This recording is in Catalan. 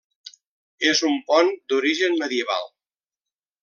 És un pont d'origen medieval.